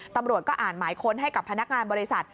ตำรวจก็อ่านหมายค้นให้กับพนักงานบริษัท